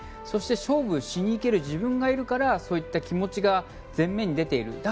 そして勝負しに行ける自分がいるからそういった気持ちが前面に出ている。